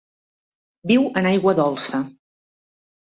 Viu en aigua dolça.